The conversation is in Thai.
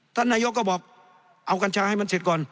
ท่านนายกก็บอกเอากัญชาให้มันเสร็จก่อน